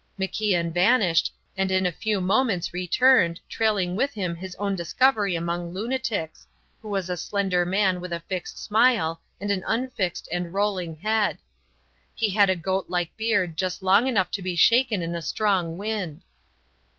MacIan vanished, and in a few moments returned, trailing with him his own discovery among lunatics, who was a slender man with a fixed smile and an unfixed and rolling head. He had a goatlike beard just long enough to be shaken in a strong wind.